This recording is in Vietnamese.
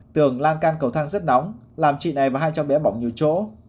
tường lan can cầu thăng rất nóng làm chị này và hai cháu bé bỏng nhiều chỗ